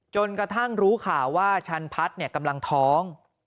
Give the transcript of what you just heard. จนกระทั่งรู้ข่าวว่าชันพัฒน์กำลังท้อง